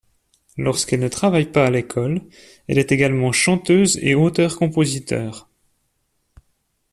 Lorsqu'elle ne travaille pas à l'école, elle est également chanteuse et auteur-compositeur.